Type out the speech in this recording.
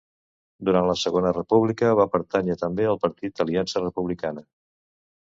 Durant la Segona República va pertànyer també al partit Aliança Republicana.